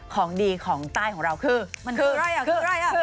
ของดีของใต้ของเรามันคืออะไรอ่ะคือคือ